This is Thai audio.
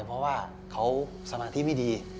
เพราะว่าเขาสมาธิไม่ดี